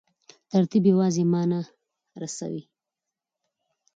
ترکیب یوازي مانا رسوي.